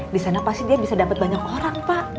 di sana pasti dia bisa dapat banyak orang pak